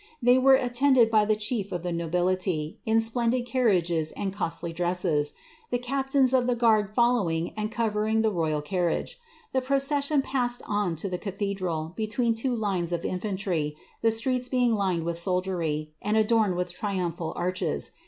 They were led by the chief of the nobility, in splendid carriages and costly ea, the captains of the guard following, and covering the royal car* The procession passed on to the cathedral, between two lines of iry, the streets being lined with soldiery, and adorned with tri lal arches.